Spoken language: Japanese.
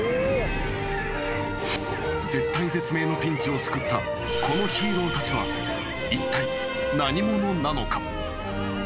［絶体絶命のピンチを救ったこのヒーローたちはいったい何者なのか？］